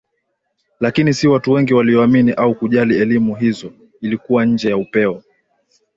Lakini si watu wengi walioamini au kujali elimu hizo ilikuwa nje ya upeo wao